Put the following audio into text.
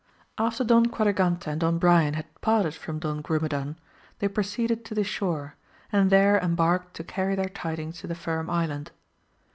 FTER Don Quadragante and Don Brian had parted from Don Grumedan, they proceeded to the shore, and there embarked to carry tiieir tidings to the Firm Island.